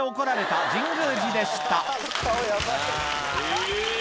え！